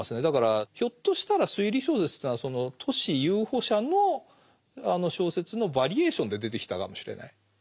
だからひょっとしたら推理小説というのはその都市遊歩者の小説のバリエーションで出てきたかもしれない。